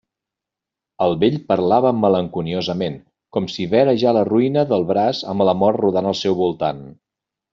El vell parlava malenconiosament, com si vera ja la ruïna del braç amb la mort rodant al seu voltant.